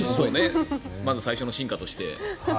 まず最初の進化として。